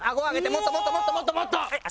もっともっともっともっともっと！